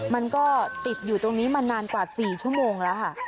มันก็ติดอยู่ตรงนี้มานานกว่า๔ชั่วโมงแล้วค่ะ